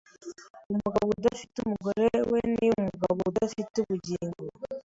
Umugabo udafite umugore we ni umugabo udafite ubugingo